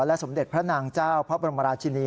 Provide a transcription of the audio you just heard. สมเด็จพระนางเจ้าพระบรมราชินี